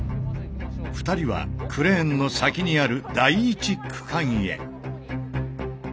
２人はクレーンの先にある第１区間へ。